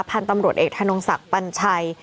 พันธุ์ตำรวจเอกธนงศักดิ์ปัญชัย